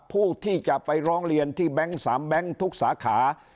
ผู้ที่จะไปร้องเรียนที่แบงค์๓แบงค์ทุกสาขา